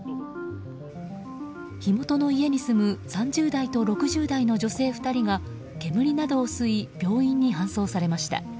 火元の家に住む３０代と６０代の女性２人が煙などを吸い病院に搬送されました。